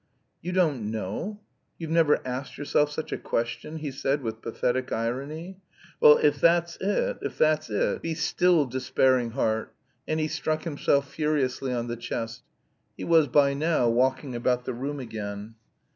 "You don't know! You've never asked yourself such a question," he said with pathetic irony. "Well, if that's it, if that's it... "Be still, despairing heart!" And he struck himself furiously on the chest. He was by now walking about the room again.